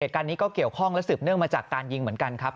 เหตุการณ์นี้ก็เกี่ยวข้องและสืบเนื่องมาจากการยิงเหมือนกันครับ